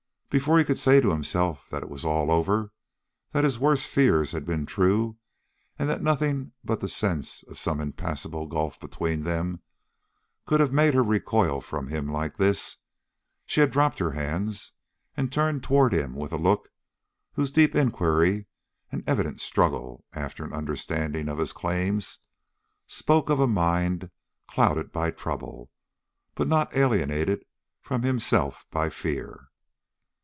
Before he could say to himself that it was all over, that his worst fears had been true, and that nothing but the sense of some impassable gulf between them could have made her recoil from him like this, she had dropped her hands and turned toward him with a look whose deep inquiry and evident struggle after an understanding of his claims, spoke of a mind clouded by trouble, but not alienated from himself by fear.